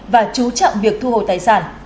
và chú trọng việc thu hồi tài sản